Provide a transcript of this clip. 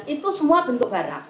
itu semua bentuk barang